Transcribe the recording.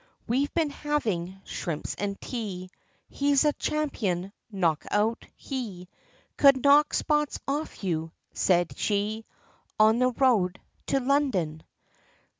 "We've been having shrimps and tea, He's a champion knock out; He Could knock spots off you," said she, On the road, to London.